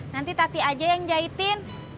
nanti tati aja yang jahitin